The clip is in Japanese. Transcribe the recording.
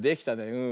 うん。